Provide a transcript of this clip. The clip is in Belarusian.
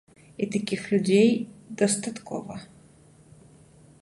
І такіх людзей дастаткова!